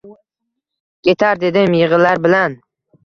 Ketar dedim – yigʼilar bilan